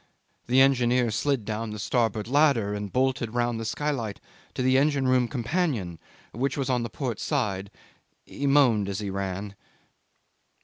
The engineer slid down the starboard ladder and bolted round the skylight to the engine room companion which was on the port side. He moaned as he ran.